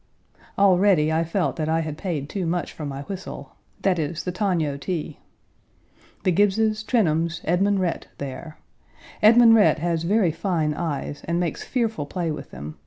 Already I felt that I had paid too much for my whistle that is, the Togno tea. The Gibbeses, Trenholms, Edmund Rhett, there. Edmund Rhett has very fine eyes and makes fearful play with them.